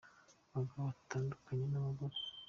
Abagabo batandukanye n'abagore.